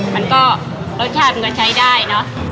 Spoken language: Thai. มันก็รสชาติมันก็ใช้ได้เนอะ